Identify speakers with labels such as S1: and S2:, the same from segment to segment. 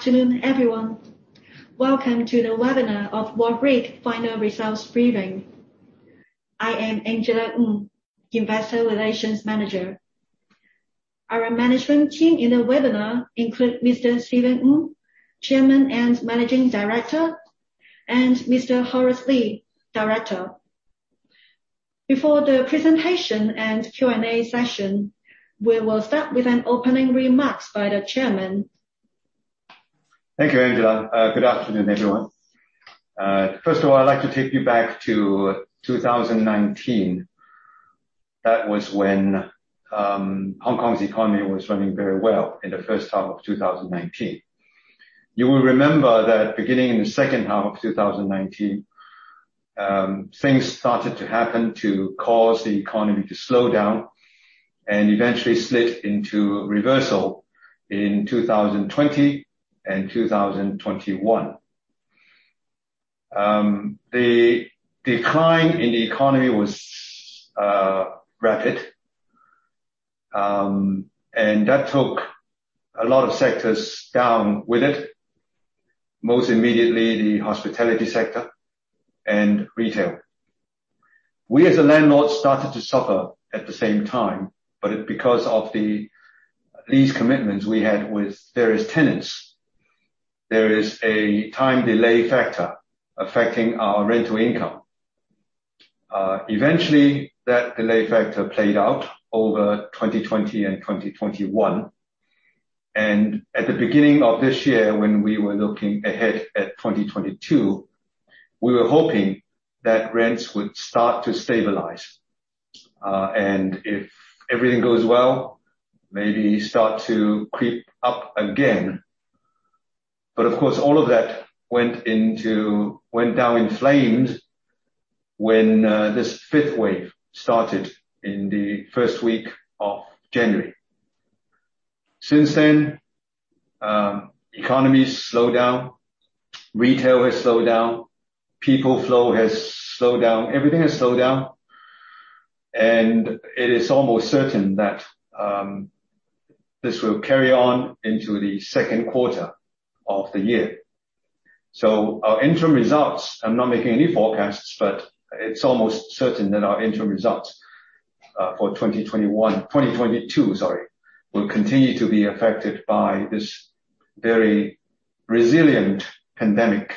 S1: Good afternoon, everyone. Welcome to the webinar of Wharf REIC final results briefing. I am Angela Ng, Investor Relations Manager. Our management team in the webinar include Mr. Stephen Ng, Chairman and Managing Director, and Mr. Horace Lee, Director. Before the presentation and Q&A session, we will start with an opening remarks by the chairman.
S2: Thank you, Angela. Good afternoon, everyone. First of all, I'd like to take you back to 2019. That was when Hong Kong's economy was running very well in the first half of 2019. You will remember that beginning in the second half of 2019, things started to happen to cause the economy to slow down and eventually slid into reversal in 2020 and 2021. The decline in the economy was rapid. That took a lot of sectors down with it, most immediately the hospitality sector and retail. We, as a landlord, started to suffer at the same time, because of the lease commitments we had with various tenants, there is a time delay factor affecting our rental income. Eventually, that delay factor played out over 2020 and 2021. At the beginning of this year, when we were looking ahead at 2022, we were hoping that rents would start to stabilize. If everything goes well, maybe start to creep up again. Of course, all of that went down in flames when this fifth wave started in the first week of January. Since then, economy's slowed down, retail has slowed down, people flow has slowed down, everything has slowed down, and it is almost certain that this will carry on into the second quarter of the year. Our interim results, I'm not making any forecasts, but it's almost certain that our interim results for 2021, 2022, sorry, will continue to be affected by this very resilient pandemic.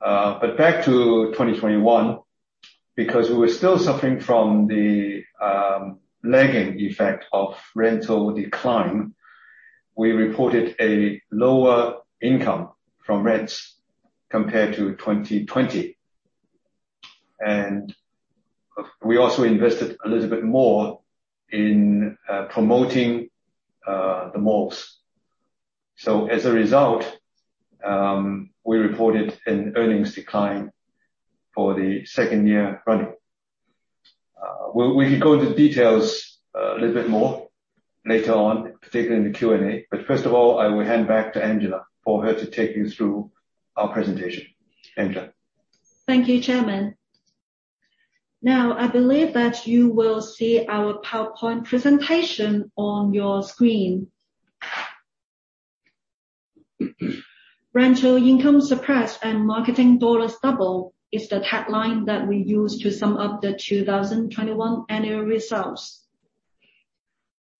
S2: Back to 2021, because we were still suffering from the lagging effect of rental decline, we reported a lower income from rents compared to 2020. We also invested a little bit more in promoting the malls. As a result, we reported an earnings decline for the second year running. We can go into details a little bit more later on, particularly in the Q&A, but first of all, I will hand back to Angela for her to take you through our presentation. Angela.
S1: Thank you, Chairman. Now, I believe that you will see our PowerPoint presentation on your screen. "Rental income suppressed and marketing dollars double," is the tagline that we use to sum up the 2021 annual results.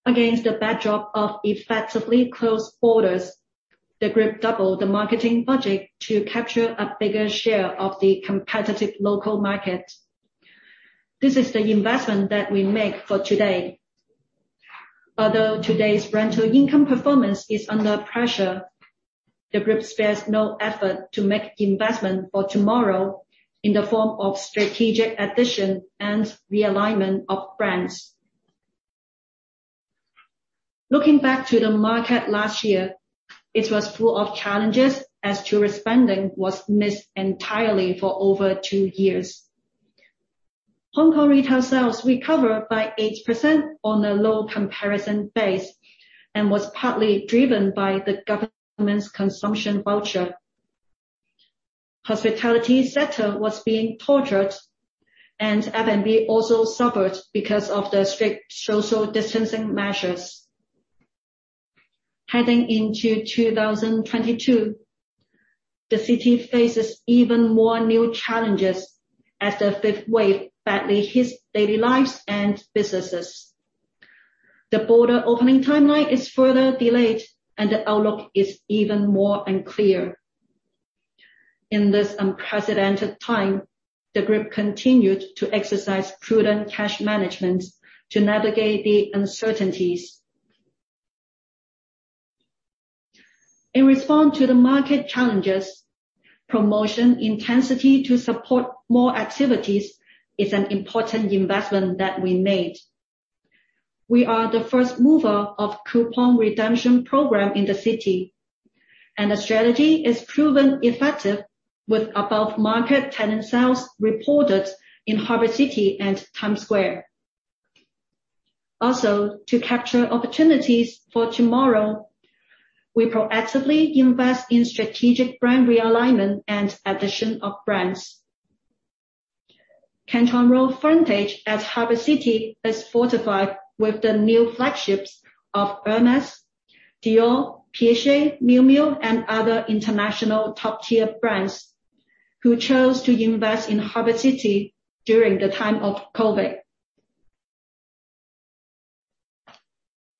S1: Against the backdrop of effectively closed borders, the group doubled the marketing budget to capture a bigger share of the competitive local market. This is the investment that we make for today. Although today's rental income performance is under pressure, the group spares no effort to make investment for tomorrow in the form of strategic addition and realignment of brands. Looking back to the market last year, it was full of challenges as tourist spending was missed entirely for over two years. Hong Kong retail sales recover by 8% on a low comparison base and was partly driven by the government's consumption voucher. Hospitality sector was being tortured, and F&B also suffered because of the strict social distancing measures. Heading into 2022, the city faces even more new challenges as the fifth wave badly hits daily lives and businesses. The border opening timeline is further delayed, and the outlook is even more unclear. In this unprecedented time, the group continued to exercise prudent cash management to navigate the uncertainties. In response to the market challenges, promotion intensity to support more activities is an important investment that we made. We are the first mover of coupon redemption program in the city, and the strategy is proven effective with above market tenant sales reported in Harbour City and Times Square. To capture opportunities for tomorrow, we proactively invest in strategic brand realignment and addition of brands. Canton Road frontage at Harbour City is fortified with the new flagships of Hermès, Dior, Piaget, Miu Miu, and other international top-tier brands who chose to invest in Harbour City during the time of COVID.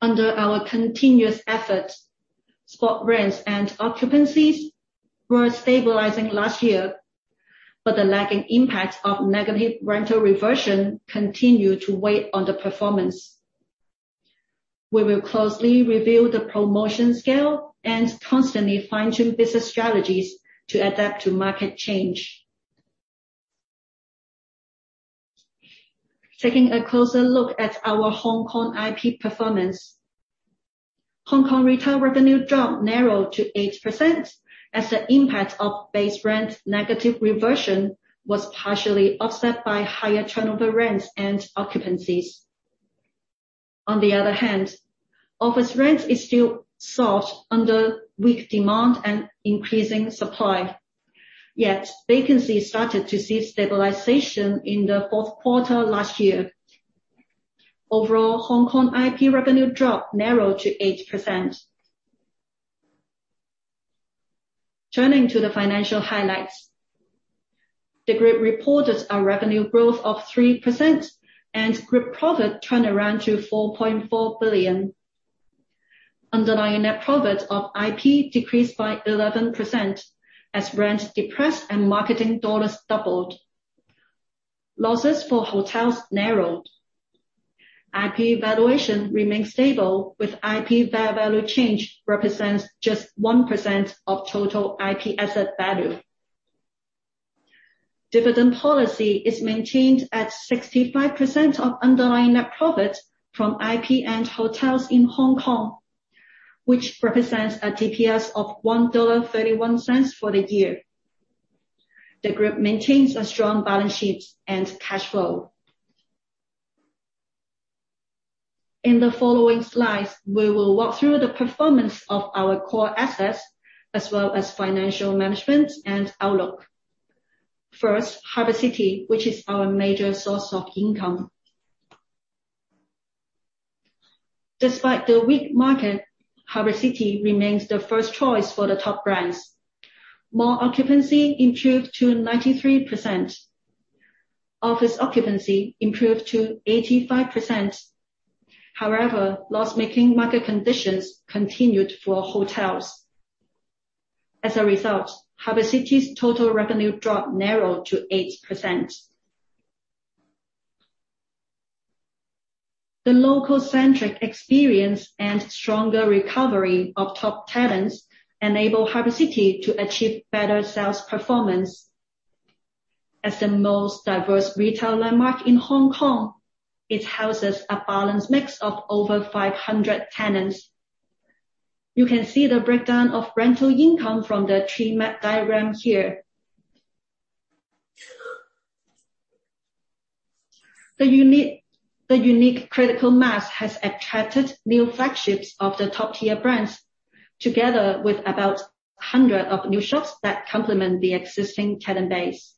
S1: Under our continuous efforts, spot rents and occupancies were stabilizing last year, but the lagging impact of negative rental reversion continue to weigh on the performance. We will closely review the promotion scale and constantly fine-tune business strategies to adapt to market change. Taking a closer look at our Hong Kong IP performance. Hong Kong retail revenue drop narrowed to 8%, as the impact of base rent negative reversion was partially offset by higher turnover rents and occupancies. On the other hand, office rent is still soft under weak demand and increasing supply. Yet vacancy started to see stabilization in the fourth quarter last year. Overall, Hong Kong IP revenue drop narrowed to 8%. Turning to the financial highlights. The group reported a revenue growth of 3% and group profit turned around to 4.4 billion. Underlying net profit of IP decreased by 11% as rent depressed and marketing dollars doubled. Losses for hotels narrowed. IP valuation remains stable, with IP fair value change represents just 1% of total IP asset value. Dividend policy is maintained at 65% of underlying net profit from IP and hotels in Hong Kong, which represents a DPS of 1.31 dollar for the year. The group maintains a strong balance sheet and cash flow. In the following slides, we will walk through the performance of our core assets as well as financial management and outlook. First, Harbour City, which is our major source of income. Despite the weak market, Harbour City remains the first choice for the top brands. Mall occupancy improved to 93%. Office occupancy improved to 85%. However, loss-making market conditions continued for hotels. As a result, Harbour City's total revenue drop narrowed to 8%. The local-centric experience and stronger recovery of top tenants enable Harbour City to achieve better sales performance. As the most diverse retail landmark in Hong Kong, it houses a balanced mix of over 500 tenants. You can see the breakdown of rental income from the tree map diagram here. The unique critical mass has attracted new flagships of the top-tier brands, together with about 100 of new shops that complement the existing tenant base.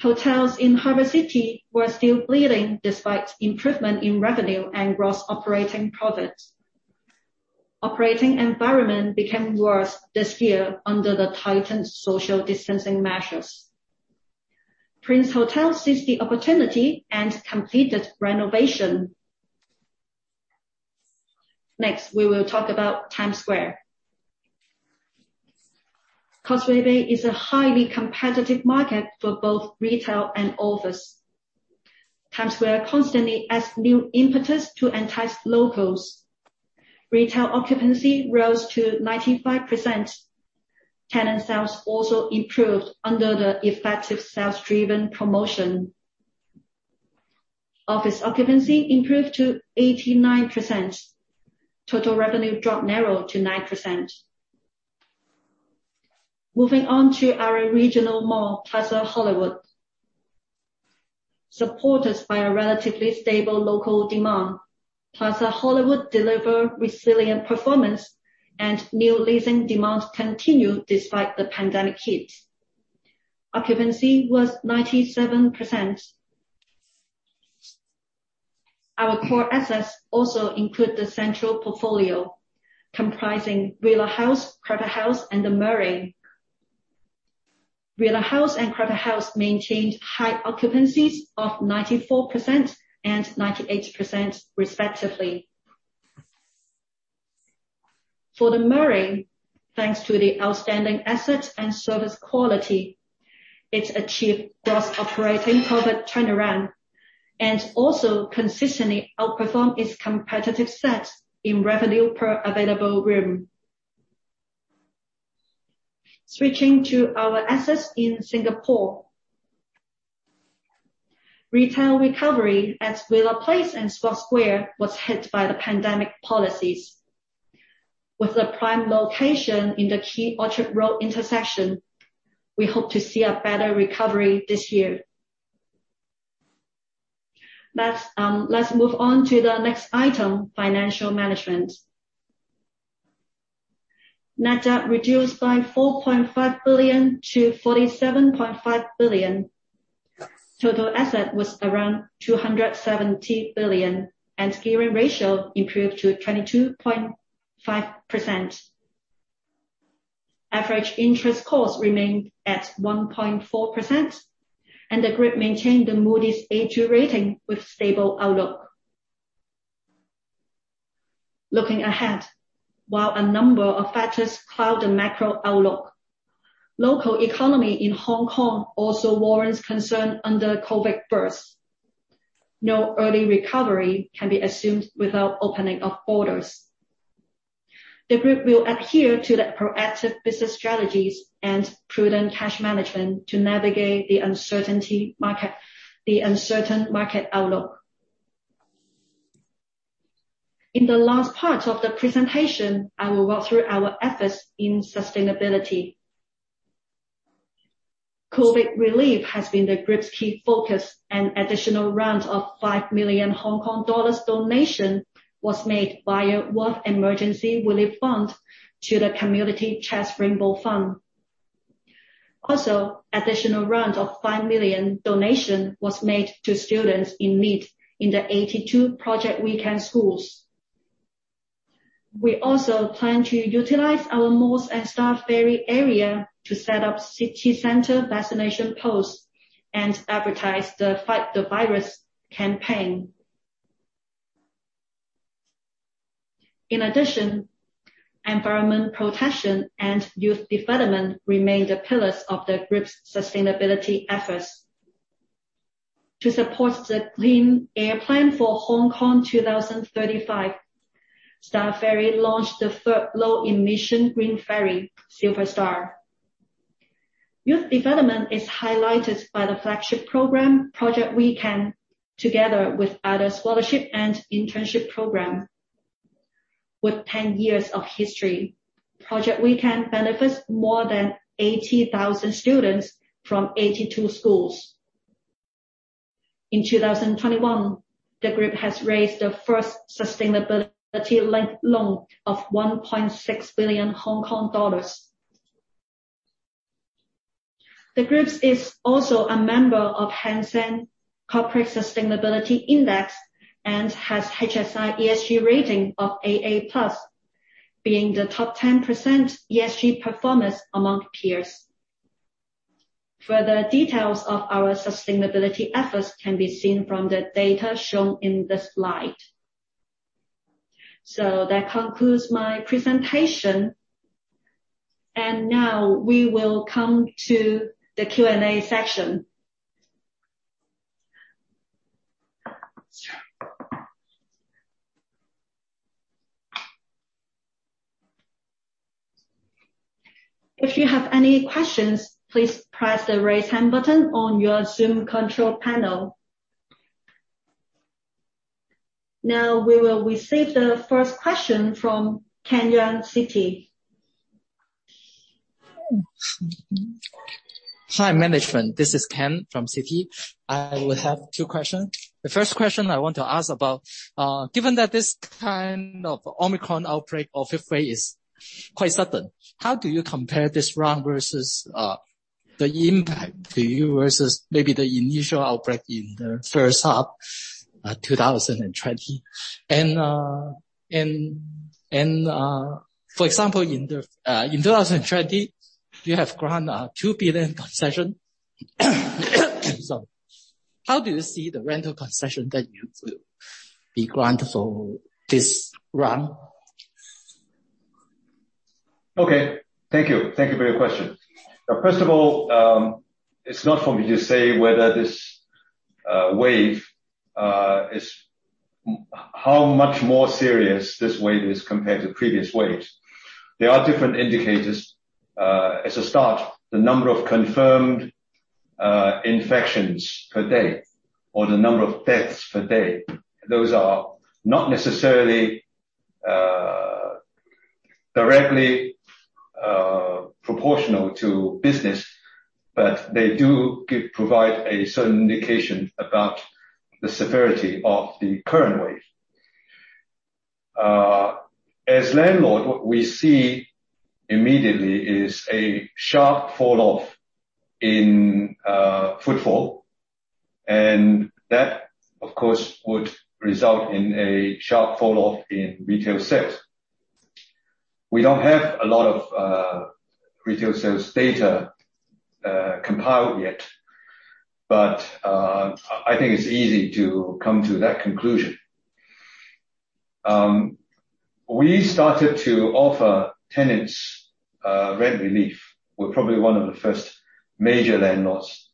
S1: Hotels in Harbour City were still bleeding despite improvement in revenue and gross operating profit. Operating environment became worse this year under the tightened social distancing measures. Prince Hotel seized the opportunity and completed renovation. Next, we will talk about Times Square. Causeway Bay is a highly competitive market for both retail and office. Times Square constantly adds new impetus to entice locals. Retail occupancy rose to 95%. Tenant sales also improved under the effective sales-driven promotion. Office occupancy improved to 89%. Total revenue drop narrowed to 9%. Moving on to our regional mall, Plaza Hollywood. Supported by a relatively stable local demand, Plaza Hollywood deliver resilient performance, and new leasing demand continued despite the pandemic hit. Occupancy was 97%. Our core assets also include the Central portfolio, comprising Wheelock House, Crawford House, and The Murray. Wheelock House and Crawford House maintained high occupancies of 94% and 98% respectively. For The Murray, thanks to the outstanding asset and service quality, it's achieved gross operating profit turnaround, and also consistently outperformed its competitive set in revenue per available room. Switching to our assets in Singapore. Retail recovery at Wheelock Place and Scotts Square was hit by the pandemic policies. With a prime location in the key Orchard Road intersection, we hope to see a better recovery this year. Let's move on to the next item, financial management. Net Debt reduced by 4.5 billion to 47.5 billion. Total assets around 270 billion, and gearing ratio improved to 22.5%. Average interest cost remained at 1.4%, and the group maintained the Moody's A2 rating with stable outlook. Looking ahead, while a number of factors cloud the macro outlook, local economy in Hong Kong also warrants concern under COVID first. No early recovery can be assumed without opening of borders. The group will adhere to the proactive business strategies and prudent cash management to navigate the uncertain market outlook. In the last part of the presentation, I will walk through our efforts in sustainability. COVID relief has been the group's key focus and additional round of 5 million Hong Kong dollars donation was made via Wharf Emergency Relief Fund to the Community Chest Rainbow Fund. Also, additional round of 5 million donation was made to students in need in the 82 Project WeCan schools. We also plan to utilize our malls and Star Ferry area to set up city center vaccination posts and advertise the Fight the Virus campaign. In addition, environment protection and youth development remain the pillars of the group's sustainability efforts. To support the Clean Air Plan for Hong Kong 2035, Star Ferry launched the first low emission green ferry, Silver Star. Youth development is highlighted by the flagship program, Project WeCan, together with other scholarship and internship program. With 10 years of history, Project WeCan benefits more than 80,000 students from 82 schools. In 2021, the group has raised the first sustainability loan of 1.6 billion Hong Kong dollars. The group is also a member of Hang Seng Corporate Sustainability Index and has HSI ESG rating of AA+, being the top 10% ESG performance among peers. Further details of our sustainability efforts can be seen from the data shown in the slide. That concludes my presentation, and now we will come to the Q&A section. If you have any questions, please press the Raise Hand button on your Zoom control panel. Now we will receive the first question from Ken Yeung, Citi.
S3: Hi, management. This is Ken Yeung from Citi. I would have two questions. The first question I want to ask about, given that this kind of Omicron outbreak or fifth wave is quite sudden, how do you compare this round versus the impact to you versus maybe the initial outbreak in the first half, 2020? For example, in 2020, you have granted 2 billion concession. Sorry. How do you see the rental concession that you will be granted for this round?
S2: Okay. Thank you. Thank you for your question. Now, first of all, it's not for me to say whether this wave is how much more serious this wave is compared to previous waves. There are different indicators. As a start, the number of confirmed infections per day or the number of deaths per day, those are not necessarily directly proportional to business, but they do provide a certain indication about the severity of the current wave. As landlord, what we see immediately is a sharp fall off in footfall. That, of course, would result in a sharp fall off in retail sales. We don't have a lot of retail sales data compiled yet, but I think it's easy to come to that conclusion. We started to offer tenants rent relief. We're probably one of the first major landlords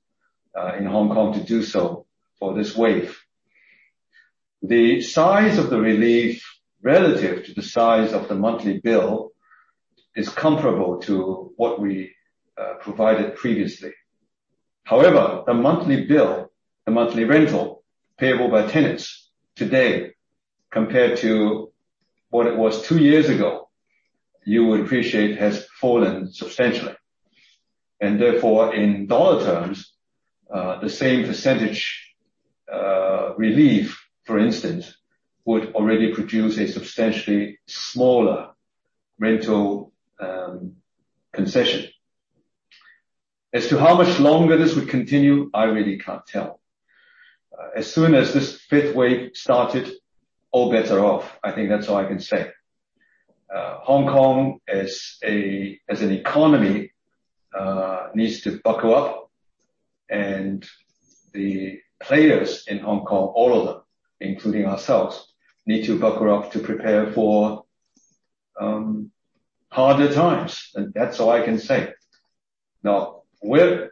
S2: in Hong Kong to do so for this wave. The size of the relief relative to the size of the monthly bill is comparable to what we provided previously. However, the monthly bill, the monthly rental payable by tenants today, compared to what it was two years ago, you would appreciate, has fallen substantially. Therefore, in dollar terms, the same percentage relief, for instance, would already produce a substantially smaller rental concession. As to how much longer this would continue, I really can't tell. As soon as this fifth wave started, all bets are off. I think that's all I can say. Hong Kong as an economy needs to buckle up. The players in Hong Kong, all of them, including ourselves, need to buckle up to prepare for harder times. That's all I can say. Now, we're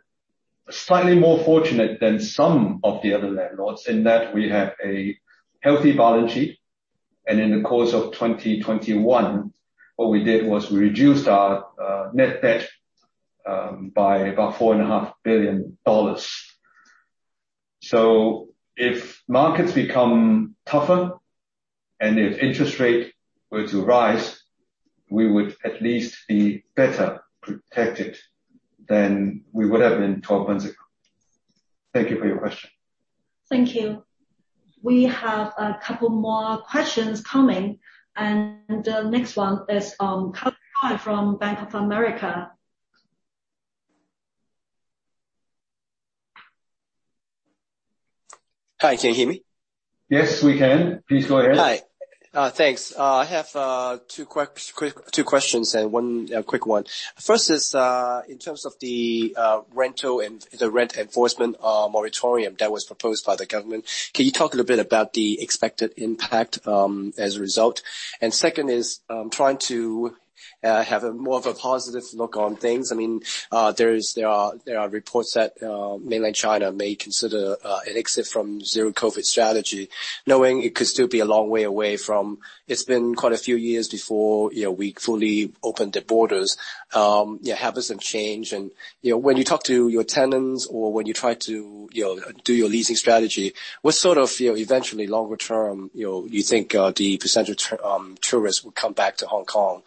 S2: slightly more fortunate than some of the other landlords in that we have a healthy balance sheet. In the course of 2021, what we did was we reduced our net debt by about 4.5 billion dollars. If markets become tougher, and if interest rate were to rise, we would at least be better protected than we would have been 12 months ago. Thank you for your question.
S1: Thank you. We have a couple more questions coming, and the next one is from Bank of America.
S4: Hi, can you hear me?
S2: Yes, we can. Please go ahead.
S4: Hi. Thanks. I have two questions and one quick one. First is, in terms of the rental and the rent enforcement moratorium that was proposed by the government, can you talk a little bit about the expected impact as a result? Second is, trying to have a more of a positive look on things. I mean, there are reports that mainland China may consider an exit from zero-COVID strategy, knowing it could still be a long way away. It's been quite a few years before, you know, we fully opened the borders, yeah, how does that change? You know, when you talk to your tenants or when you try to, you know, do your leasing strategy, what sort of, you know, eventually longer term, you know, you think the percentage of tourists would come back to Hong Kong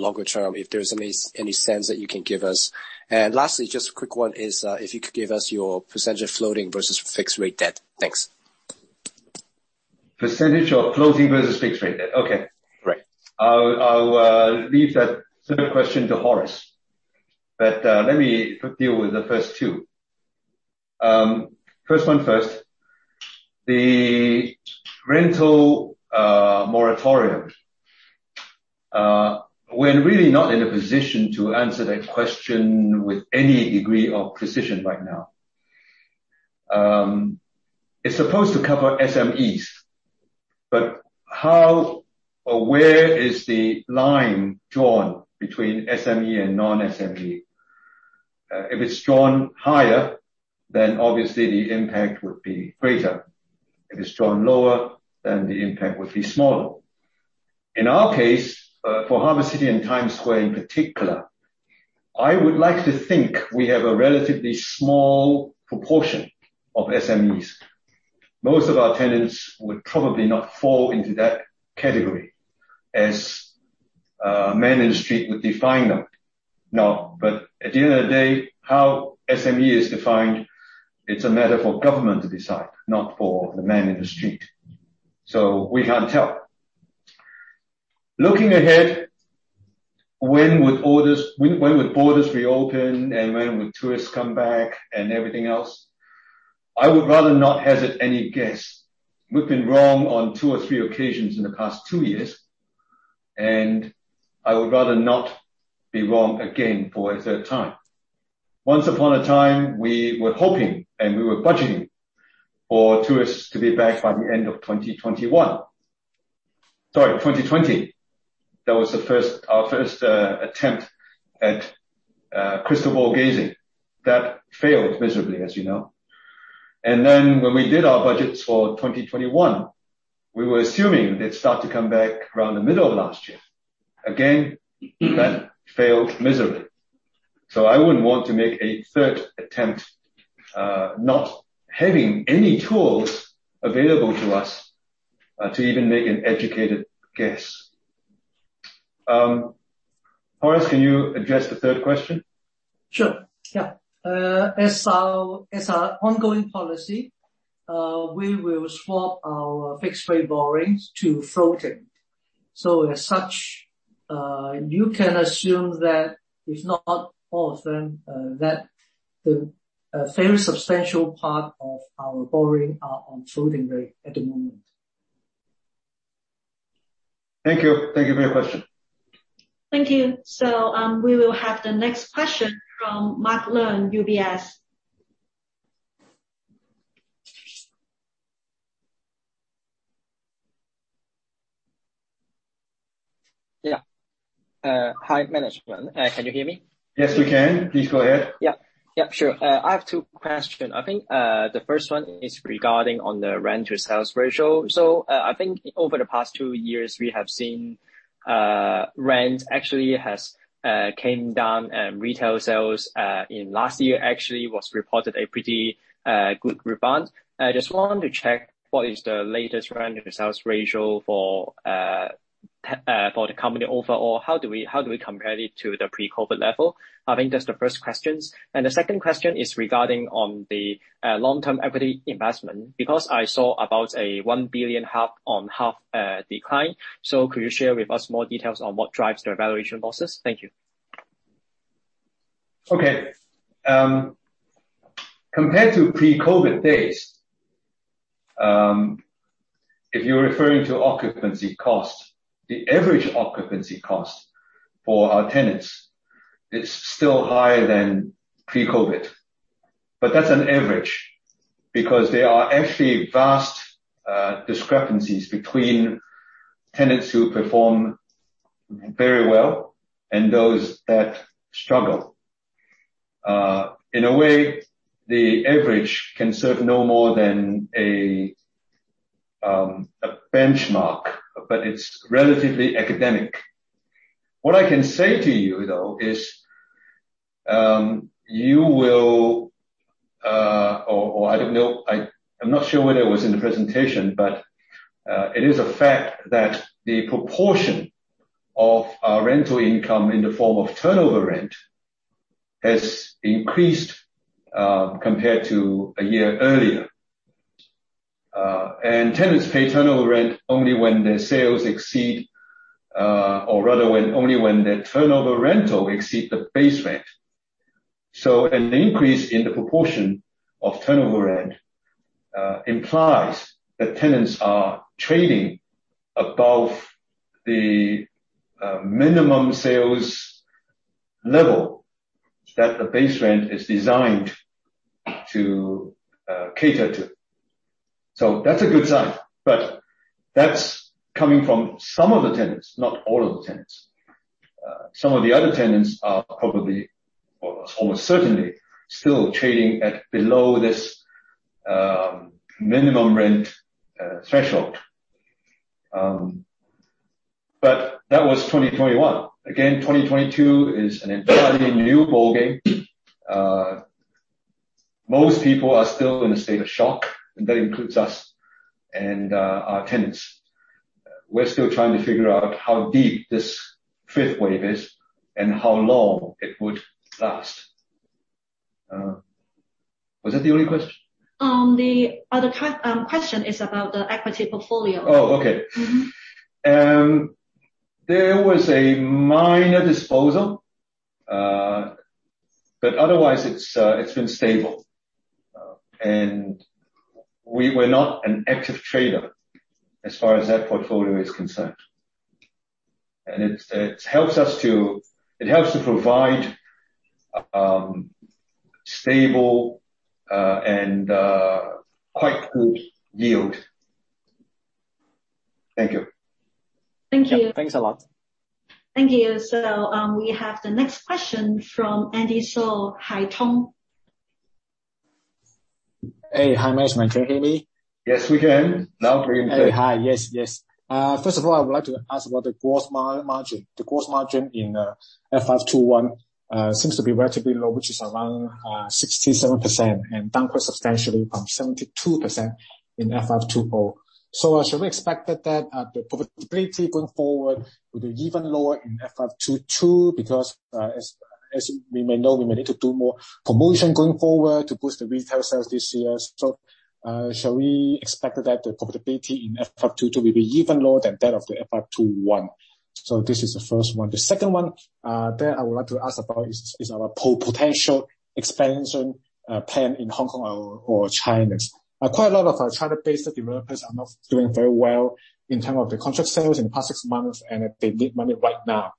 S4: longer term if there's any sense that you can give us. Lastly, just a quick one is, if you could give us your percentage floating versus fixed rate debt. Thanks.
S2: Percentage of floating versus fixed rate debt. Okay.
S4: Great.
S2: I'll leave that second question to Horace. Let me deal with the first two. First one first. The rental moratorium, we're really not in a position to answer that question with any degree of precision right now. It's supposed to cover SMEs. How or where is the line drawn between SME and non-SME? If it's drawn higher, then obviously the impact would be greater. If it's drawn lower, then the impact would be smaller. In our case, for Harbour City and Times Square in particular, I would like to think we have a relatively small proportion of SMEs. Most of our tenants would probably not fall into that category as man in the street would define them. At the end of the day, how SME is defined, it's a matter for government to decide, not for the man in the street. We can't tell. Looking ahead, when would borders reopen? When would tourists come back and everything else? I would rather not hazard any guess. We've been wrong on two or three occasions in the past two years, and I would rather not be wrong again for a third time. Once upon a time, we were hoping, and we were budgeting for tourists to be back by the end of 2021. Sorry, 2020. That was our first attempt at crystal ball gazing. That failed miserably, as you know. When we did our budgets for 2021, we were assuming they'd start to come back around the middle of last year. Again, that failed miserably. I wouldn't want to make a third attempt, not having any tools available to us, to even make an educated guess. Horace, can you address the third question?
S5: Sure. Yeah. As our ongoing policy, we will swap our fixed rate borrowings to floating. As such, you can assume that if not all of them, that the fairly substantial part of our borrowing are on floating rate at the moment.
S2: Thank you. Thank you for your question.
S1: Thank you. We will have the next question from Mark Leung, UBS.
S6: Yeah. Hi, management. Can you hear me?
S2: Yes, we can. Please go ahead.
S6: Yeah. Yeah, sure. I have two questions. I think the first one is regarding the rent to sales ratio. I think over the past two years, we have seen rent actually has came down, and retail sales in last year actually was reported a pretty good rebound. I just want to check what is the latest rent and sales ratio for the company overall, how do we compare it to the pre-COVID level? I think that's the first questions. The second question is regarding the long-term equity investment, because I saw about a 1.5 billion half on half decline. Could you share with us more details on what drives their valuation losses? Thank you.
S2: Compared to pre-COVID days, if you're referring to occupancy cost, the average occupancy cost for our tenants is still higher than pre-COVID. That's an average because there are actually vast discrepancies between tenants who perform very well and those that struggle. In a way, the average can serve no more than a benchmark, but it's relatively academic. What I can say to you though is, I'm not sure whether it was in the presentation, but it is a fact that the proportion of our rental income in the form of turnover rent has increased compared to a year earlier. Tenants pay turnover rent only when their sales exceed, or rather when, only when their turnover rent exceed the base rent. An increase in the proportion of turnover rent implies that tenants are trading above the minimum sales level that the base rent is designed to cater to. That's a good sign, but that's coming from some of the tenants, not all of the tenants. Some of the other tenants are probably, or almost certainly, still trading at below this minimum rent threshold. That was 2021. Again, 2022 is an entirely new ballgame. Most people are still in a state of shock, and that includes us and our tenants. We're still trying to figure out how deep this fifth wave is and how long it would last. Was that the only question?
S1: The other question is about the equity portfolio.
S2: Oh, okay.
S1: Mm-hmm.
S2: There was a minor disposal, but otherwise it's been stable. We were not an active trader as far as that portfolio is concerned. It helps to provide stable and quite good yield. Thank you.
S1: Thank you.
S6: Yeah. Thanks a lot.
S1: Thank you. We have the next question from Andy So, Haitong.
S7: Hey. Hi, management. Can you hear me?
S2: Yes, we can. Now we can.
S7: First of all, I would like to ask about the gross margin. The gross margin in FY 2021 seems to be relatively low, which is around 67% and down quite substantially from 72% in FY 2020. Should we expect that the profitability going forward will be even lower in FY 2022 because as we may know, we may need to do more promotion going forward to boost the retail sales this year. Shall we expect that the profitability in FY 2022 will be even lower than that of the FY 2021? This is the first one. The second one that I would like to ask about is our potential expansion plan in Hong Kong or China. Quite a lot of China-based developers are not doing very well in terms of the contract sales in the past six months, and they need money right now.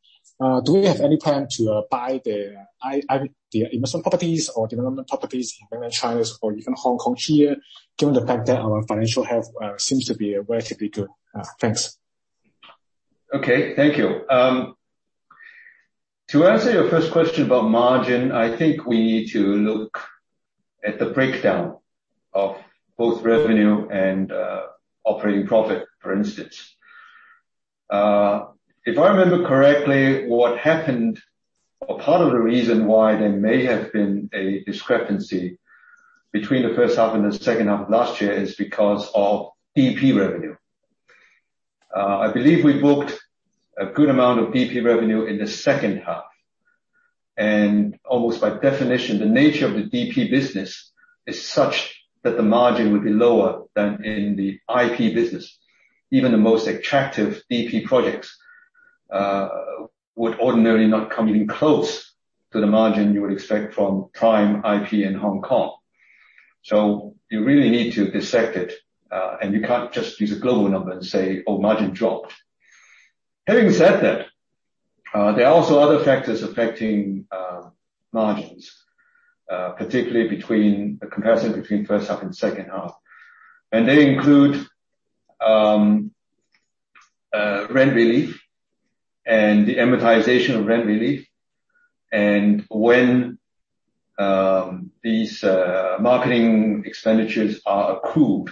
S7: Do we have any plan to buy their IP investment properties or development properties in mainland China or even Hong Kong here, given the fact that our financial health seems to be relatively good? Thanks.
S2: Okay, thank you. To answer your first question about margin, I think we need to look at the breakdown of both revenue and operating profit, for instance. If I remember correctly, what happened or part of the reason why there may have been a discrepancy between the first half and the second half of last year is because of DP revenue. I believe we booked a good amount of DP revenue in the second half. Almost by definition, the nature of the DP business is such that the margin would be lower than in the IP business. Even the most attractive DP projects would ordinarily not come in close to the margin you would expect from prime IP in Hong Kong. You really need to dissect it, and you can't just use a global number and say, "Oh, margin dropped." Having said that, there are also other factors affecting margins, particularly between the comparison between first half and second half. They include rent relief and the amortization of rent relief. When these marketing expenditures are accrued,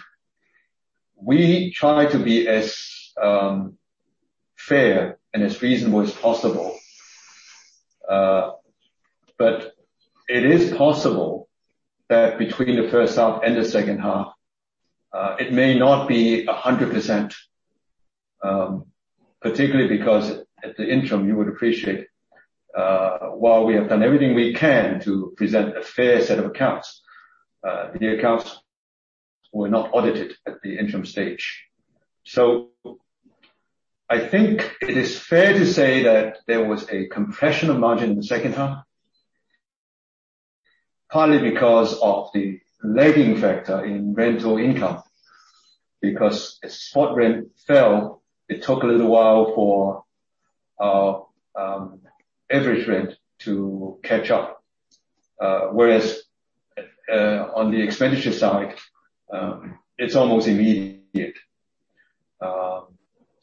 S2: we try to be as fair and as reasonable as possible. But it is possible that between the first half and the second half, it may not be 100%, particularly because at the interim, you would appreciate, while we have done everything we can to present a fair set of accounts, the accounts were not audited at the interim stage. I think it is fair to say that there was a compression of margin in the second half, partly because of the lagging factor in rental income. Because as spot rent fell, it took a little while for average rent to catch up. Whereas on the expenditure side, it's almost immediate.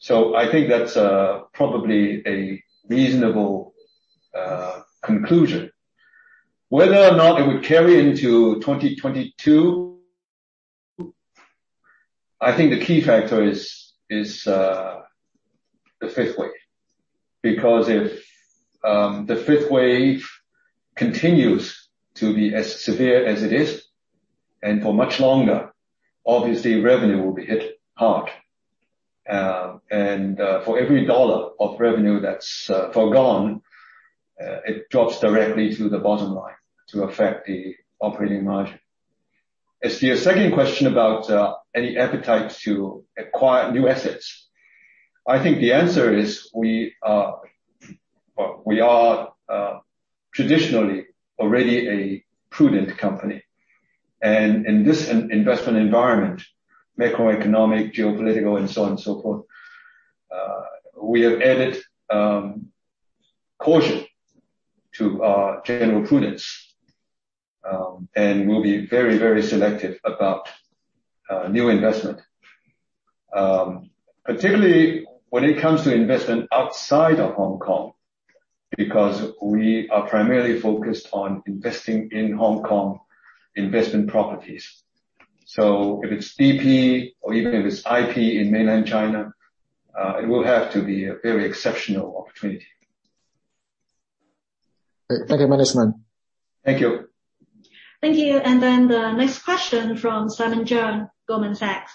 S2: I think that's probably a reasonable conclusion. Whether or not it would carry into 2022, I think the key factor is the fifth wave. Because if the fifth wave continues to be as severe as it is and for much longer, obviously revenue will be hit hard. For every dollar of revenue that's foregone, it drops directly to the bottom line to affect the operating margin. As to your second question about any appetite to acquire new assets, I think the answer is, well, we are traditionally already a prudent company. In this investment environment, macroeconomic, geopolitical, and so on and so forth, we have added caution to our general prudence, and we'll be very, very selective about new investment. Particularly when it comes to investment outside of Hong Kong, because we are primarily focused on investing in Hong Kong investment properties. If it's DP or even if it's IP in mainland China, it will have to be a very exceptional opportunity.
S7: Thank you, management.
S2: Thank you.
S1: Thank you. The next question from Simon Cheung, Goldman Sachs.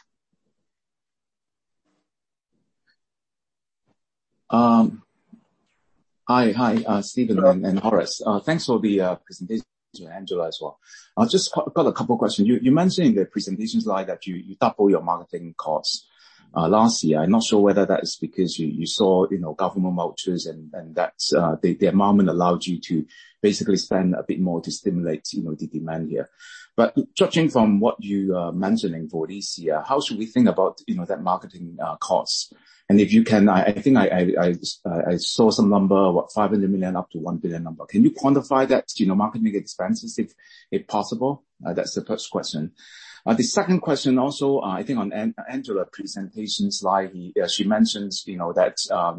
S8: Hi, Stephen.
S2: Hello.
S8: Horace. Thanks for the presentation, Angela as well. I've just got a couple questions. You mentioned in the presentation slide that you doubled your marketing costs last year. I'm not sure whether that is because you saw, you know, government vouchers and that's the amount allowed you to basically spend a bit more to stimulate, you know, the demand here. But judging from what you are mentioning for this year, how should we think about, you know, that marketing costs? And if you can, I think I saw some number, what 500 million up to 1 billion number. Can you quantify that, you know, marketing expenses if possible? That's the first question. The second question also, I think on Angela presentation slide, she mentions, you know, that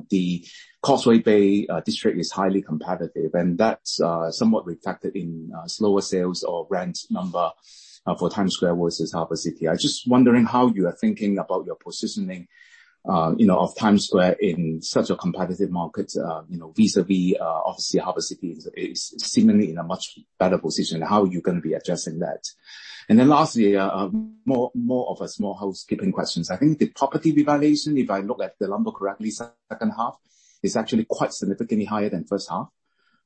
S8: the Causeway Bay district is highly competitive, and that's somewhat reflected in slower sales or rent number for Times Square versus Harbour City. I'm just wondering how you are thinking about your positioning, you know, of Times Square in such a competitive market, you know, vis-a-vis, obviously Harbour City is seemingly in a much better position. How are you gonna be addressing that? And then lastly, more of a small housekeeping questions. I think the property revaluation, if I look at the number correctly, second half is actually quite significantly higher than first half.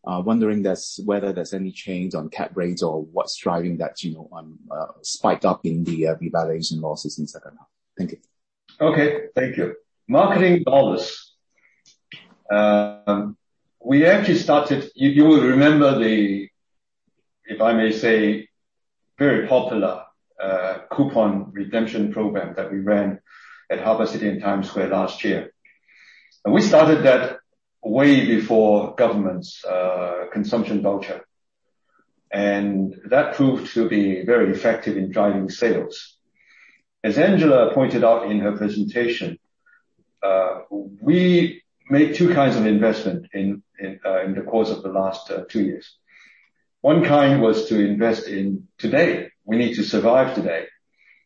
S8: Wondering there's... Whether there's any change on cap rates or what's driving that, you know, spike up in the revaluation losses in second half? Thank you.
S2: Okay. Thank you. Marketing dollars. We actually started. You will remember the, if I may say, very popular coupon redemption program that we ran at Harbour City and Times Square last year. We started that way before government's consumption voucher. That proved to be very effective in driving sales. As Angela pointed out in her presentation, we made two kinds of investment in the course of the last two years. One kind was to invest in today. We need to survive today.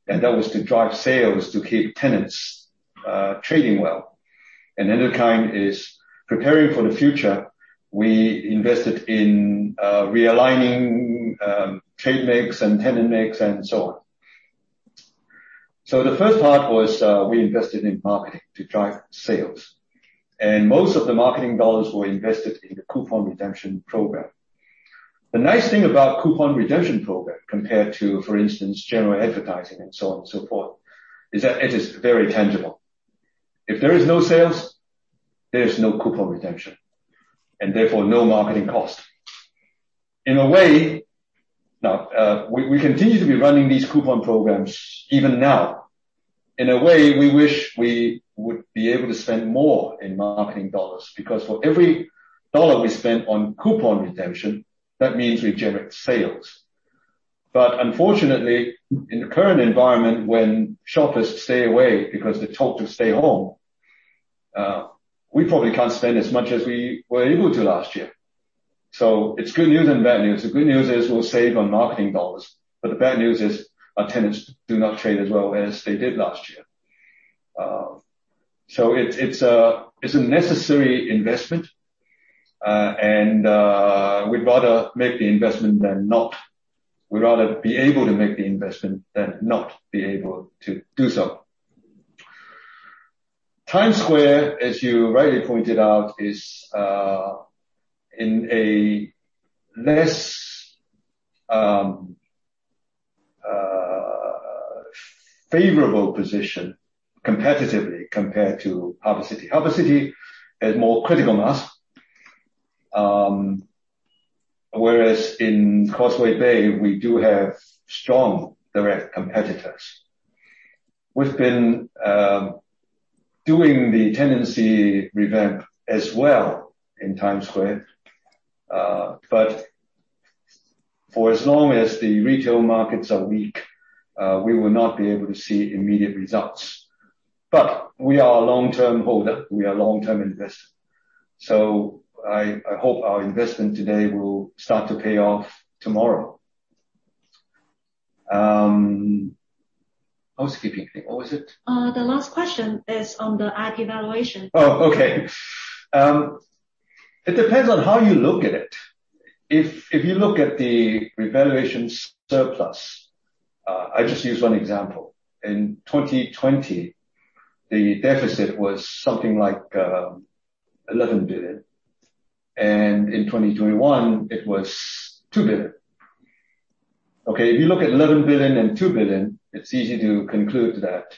S2: That was to drive sales to keep tenants trading well. Another kind is preparing for the future. We invested in realigning trade mix and tenant mix and so on. The first part was, we invested in marketing to drive sales, and most of the marketing dollars were invested in the coupon redemption program. The nice thing about coupon redemption program, compared to, for instance, general advertising and so on and so forth, is that it is very tangible. If there is no sales, there is no coupon redemption, and therefore no marketing cost. In a way, now we continue to be running these coupon programs even now. In a way we wish we would be able to spend more in marketing dollars, because for every dollar we spend on coupon redemption, that means we generate sales. But unfortunately, in the current environment, when shoppers stay away because they're told to stay home, we probably can't spend as much as we were able to last year. It's good news and bad news. The good news is we'll save on marketing dollars, but the bad news is our tenants do not trade as well as they did last year. It's a necessary investment. We'd rather make the investment than not. We'd rather be able to make the investment than not be able to do so. Times Square, as you rightly pointed out, is in a less favorable position competitively compared to Harbour City. Harbour City has more critical mass, whereas in Causeway Bay, we do have strong direct competitors. We've been doing the tenancy revamp as well in Times Square. For as long as the retail markets are weak, we will not be able to see immediate results. We are a long-term holder. We are a long-term investor. I hope our investment today will start to pay off tomorrow. Housekeeping thing, or was it?
S1: The last question is on the IP valuation.
S2: Oh, okay. It depends on how you look at it. If you look at the revaluation surplus, I just use one example. In 2020, the deficit was something like 11 billion. In 2021 it was 2 billion. If you look at 11 billion and 2 billion, it's easy to conclude that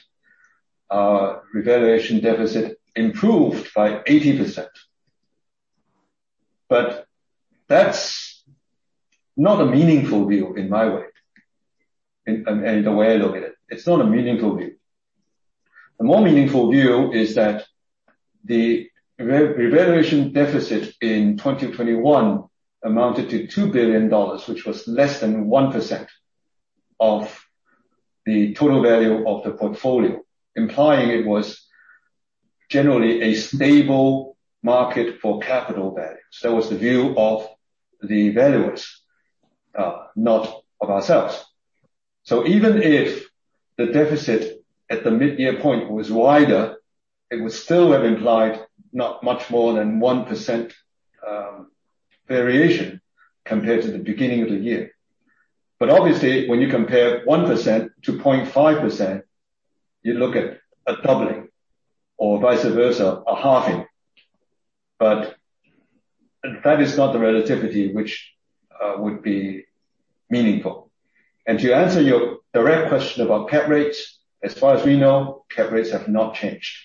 S2: our revaluation deficit improved by 80%. That's not a meaningful view in my way and the way I look at it. It's not a meaningful view. The more meaningful view is that the revaluation deficit in 2021 amounted to 2 billion dollars, which was less than 1% of the total value of the portfolio, implying it was generally a stable market for capital value. It was the view of the valuers, not of ourselves. Even if the deficit at the mid-year point was wider, it would still have implied not much more than 1% variation compared to the beginning of the year. Obviously, when you compare 1% to 0.5%, you look at a doubling or vice versa, a halving. That is not the relativity which would be meaningful. To answer your direct question about cap rates, as far as we know, cap rates have not changed.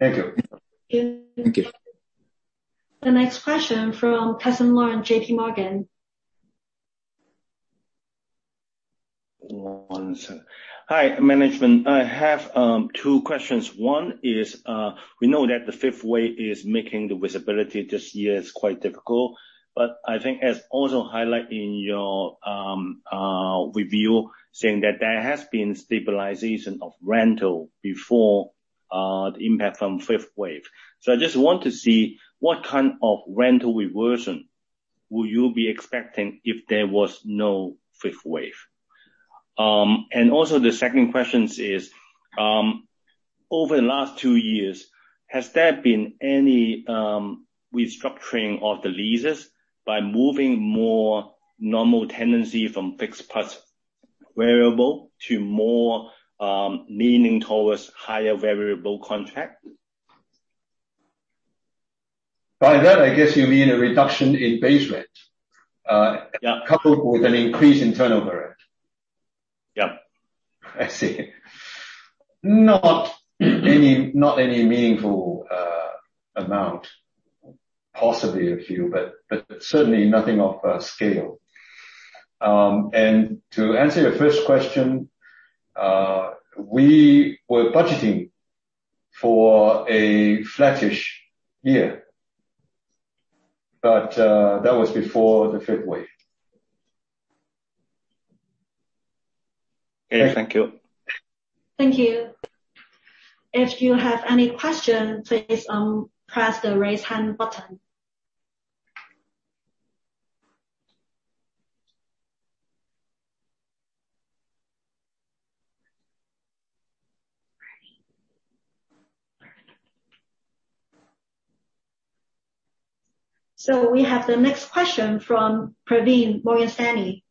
S2: Thank you.
S1: Thank you. The next question from Cusson Leung in JPMorgan.
S9: One sec. Hi, management. I have two questions. One is, we know that the fifth wave is making the visibility this year quite difficult, but I think as also highlighted in your review, saying that there has been stabilization of rental before the impact from fifth wave. I just want to see what kind of rental reversion will you be expecting if there was no fifth wave. The second questions is, over the last two years, has there been any restructuring of the leases by moving more normal tenancy from fixed plus variable to more leaning towards higher variable contract?
S2: By that, I guess you mean a reduction in base rent?
S9: Yeah.
S2: Coupled with an increase in turnover rent?
S9: Yeah.
S2: I see. Not any meaningful amount. Possibly a few, but certainly nothing of scale. To answer your first question, we were budgeting for a flattish year. That was before the fifth wave.
S9: Okay. Thank you.
S1: Thank you. If you have any questions, please, press the Raise Hand button. We have the next question from Praveen Morgan Stanley.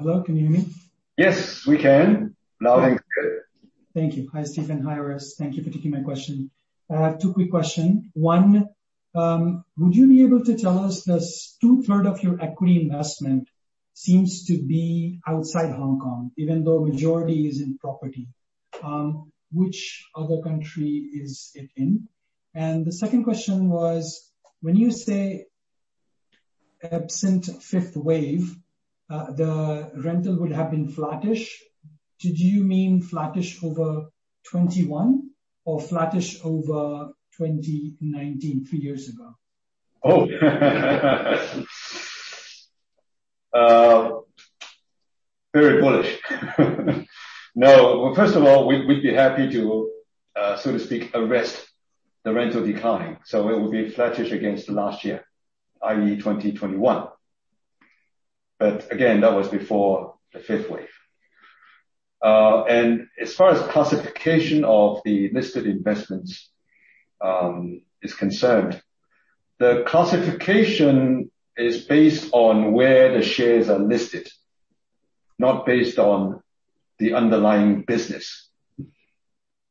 S10: Hello, can you hear me?
S2: Yes, we can. Loud and clear.
S10: Thank you. Hi, Stephen. Hi, Horace. Thank you for taking my question. I have two quick question. One, would you be able to tell us the 2/3 of your equity investment seems to be outside Hong Kong, even though majority is in property. Which other country is it in? And the second question was, when you say absent fifth wave, the rental would have been flattish. Did you mean flattish over 2021 or flattish over 2019, three years ago?
S2: Oh. Very bullish. No. Well, first of all, we'd be happy to, so to speak, arrest the rental decline, so it will be flattish against last year, i.e., 2021. That was before the fifth wave. As far as classification of the listed investments is concerned, the classification is based on where the shares are listed, not based on the underlying business.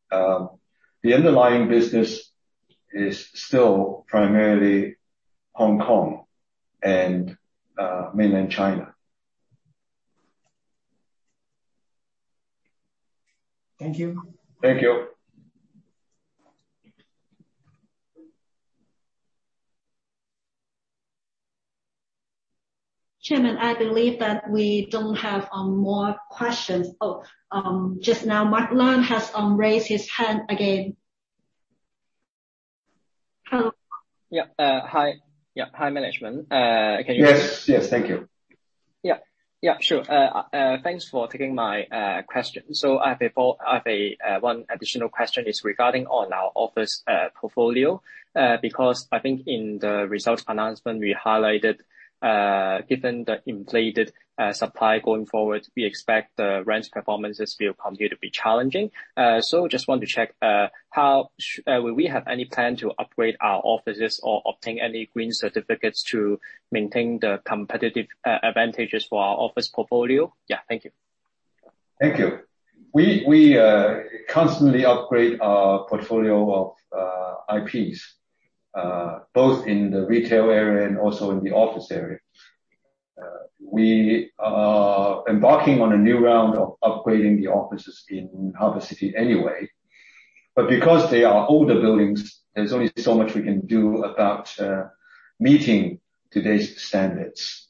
S2: The underlying business is still primarily Hong Kong and Mainland China.
S10: Thank you.
S2: Thank you.
S1: Chairman, I believe that we don't have more questions. Oh, just now Mark Leung has raised his hand again. Hello.
S6: Hi, management. Can you-
S2: Yes, yes. Thank you.
S6: Yeah. Yeah, sure. Thanks for taking my question. I have one additional question regarding on our office portfolio, because I think in the results announcement we highlighted, given the inflated supply going forward, we expect the rents performances will continue to be challenging. Just want to check, will we have any plan to upgrade our offices or obtain any green certificates to maintain the competitive advantages for our office portfolio? Yeah. Thank you.
S2: Thank you. We constantly upgrade our portfolio of IPs both in the retail area and also in the office area. We are embarking on a new round of upgrading the offices in Harbour City anyway. Because they are older buildings, there's only so much we can do about meeting today's standards.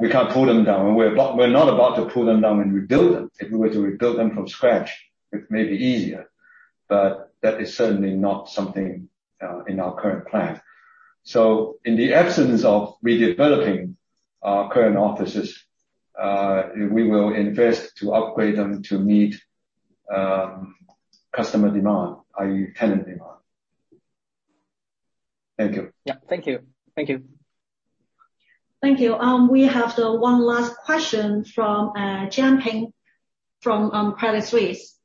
S2: We can't pull them down. We're not about to pull them down and rebuild them. If we were to rebuild them from scratch, it may be easier, but that is certainly not something in our current plan. In the absence of redeveloping our current offices, we will invest to upgrade them to meet customer demand, i.e., tenant demand. Thank you.
S6: Yeah. Thank you. Thank you.
S1: Thank you. We have the one last question from Jianping from Credit Suisse.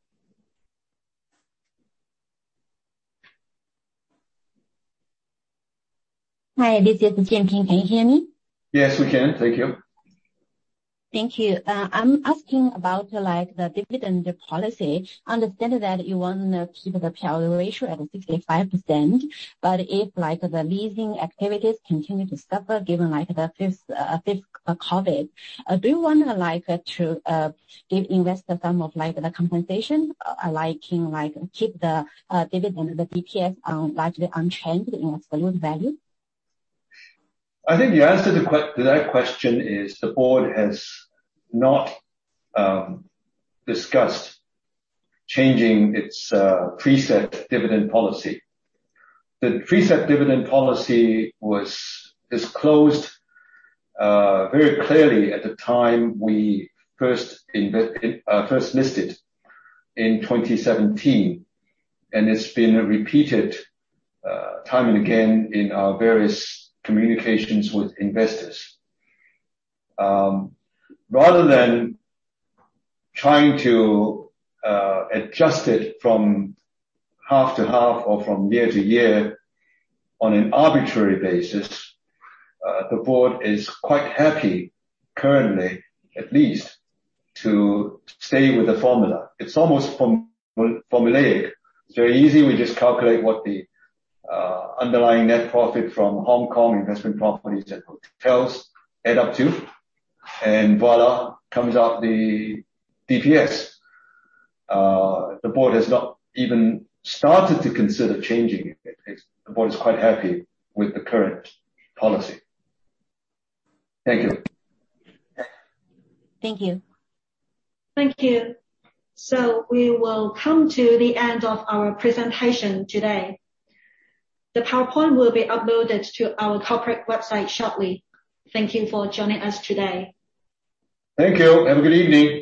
S11: Hi, this is Jianping Chen. Can you hear me?
S2: Yes, we can. Thank you.
S11: Thank you. I'm asking about like the dividend policy. I understand that you wanna keep the payout ratio at 65%, but if like the leasing activities continue to suffer given like the fifth wave of COVID, do you wanna give investors some of the compensation? Like, can you keep the dividend, the DPS, largely unchanged in absolute value?
S2: I think the answer to that question is, the board has not discussed changing its preset dividend policy. The preset dividend policy was disclosed very clearly at the time we first listed in 2017, and it's been repeated time and again in our various communications with investors. Rather than trying to adjust it from half to half or from year to year on an arbitrary basis, the board is quite happy currently, at least, to stay with the formula. It's almost formulaic. It's very easy. We just calculate what the underlying net profit from Hong Kong investment properties and hotels add up to, and voilà, comes out the DPS. The board has not even started to consider changing it. The board is quite happy with the current policy. Thank you.
S11: Thank you.
S1: Thank you. We will come to the end of our presentation today. The PowerPoint will be uploaded to our corporate website shortly. Thank you for joining us today.
S2: Thank you. Have a good evening.